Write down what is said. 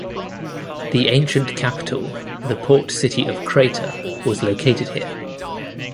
The ancient capital, the port city of Crater, was located here.